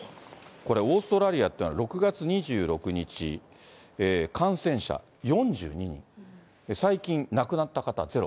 これ、オーストラリアというのは、６月２６日、感染者４２人、最近、亡くなった方ゼロ。